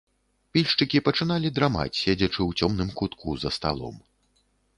Пільшчыкі пачыналі драмаць, седзячы ў цёмным кутку за сталом.